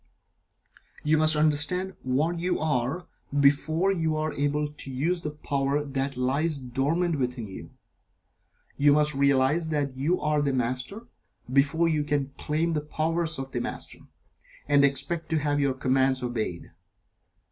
You must understand what you are, before you are able to use the power that lies dormant within you. You must realize that you are the Master, before you can claim the powers of the Master, and expect to have your commands obeyed.